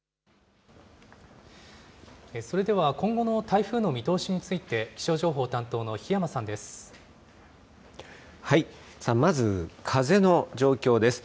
それでは、今後の台風の見通しについて気象情報担当の檜山さんです。